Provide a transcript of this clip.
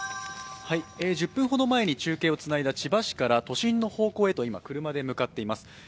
１０分ほど前に中継をつないだ千葉市から、都心の方向へと今、車で向かっています。